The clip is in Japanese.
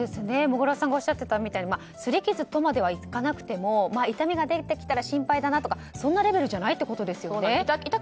もぐらさんがおっしゃってたみたいにすり傷とまではいかないまでも痛みが出てきたら心配だなとかそんなレベルじゃないってことですよね。